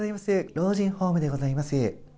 老人ホームでございます。